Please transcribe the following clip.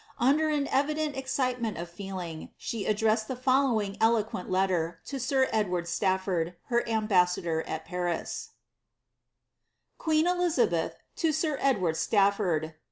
Under an cvideDt excitement of feeling, she addressed the following eloquent let ter to sir Edward Staflbrd, her ambassador at Paris :— QuiiH Elizabsth to Sib Eowabd Statfobd.